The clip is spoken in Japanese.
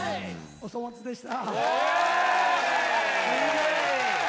お粗末でした。